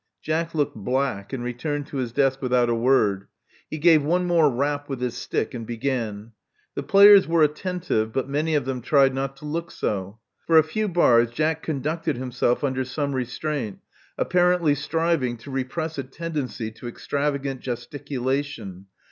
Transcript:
Jack looked black, and returned to his desk withot^t a word. He gave one more rap with his stick, and began. The players were attentive, but many of them tried not to look so. For a few bars. Jack conducted under some restraint, apparently striving to repress a tendency to extravagant gesticulation.